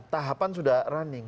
tahapan sudah running